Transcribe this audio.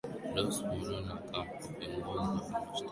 louis moreno ocampo kiongozi wa mashtaka katika mahakama